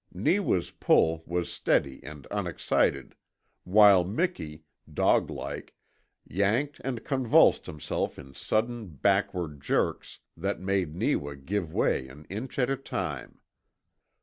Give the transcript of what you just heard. Neewa's pull was steady and unexcited, while Miki, dog like, yanked and convulsed himself in sudden backward jerks that made Neewa give way an inch at a time.